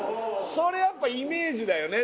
それやっぱイメージだよね